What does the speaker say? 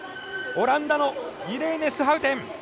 オランダのイレーネ・スハウテン。